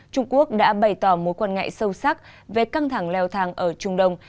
trung quốc đã bày tỏ mối quan ngại sâu sắc về căng thẳng leo thang ở trung đông